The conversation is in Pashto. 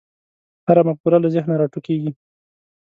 هره مفکوره له ذهنه راټوکېږي.